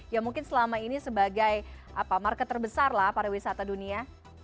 yang mungkin selama ini sebagai market terbesar pariwisata dunia